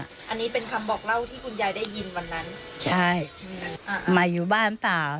อันนี้เป็นคำบอกเล่าที่คุณยายได้ยินวันนั้นใช่ใหม่อยู่บ้านหรือเปล่า